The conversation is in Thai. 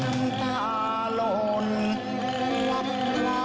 น้ำตาหล่นหลับลงบรัวพลาย